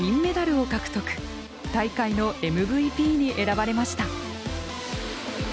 大会のＭＶＰに選ばれました。